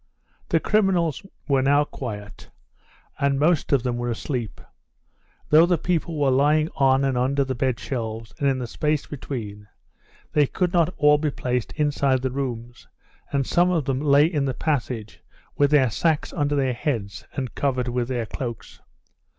The criminals were now quiet, and most of them were asleep. Though the people were lying on and under the bed shelves and in the space between, they could not all be placed inside the rooms, and some of them lay in the passage with their sacks under their heads and covered with their cloaks.